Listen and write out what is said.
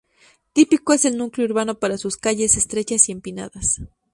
Típico es el núcleo urbano por sus calles estrechas y empinadas.